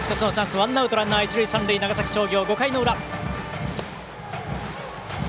ワンアウトランナー、一塁三塁長崎商業、５回の裏。